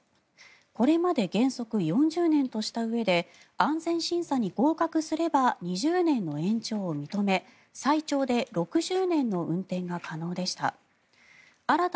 これまで原則４０年としたうえで安全審査に合格すれば２０年の延長を認め最長で６０年の運転が可能でした。